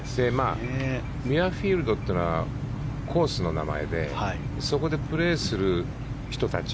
ミュアフィールドというのはコースの名前でそこでプレーする人たち